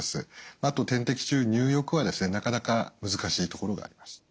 あと点滴中入浴はなかなか難しいところがあります。